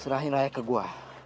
serahin raya ke gua